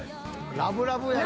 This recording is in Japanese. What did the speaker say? ラブラブね。